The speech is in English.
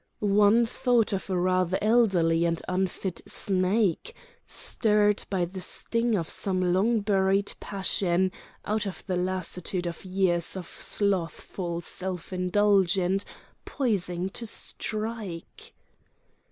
One thought of a rather elderly and unfit snake, stirred by the sting of some long buried passion out of the lassitude of years of slothful self indulgence, poising to strike....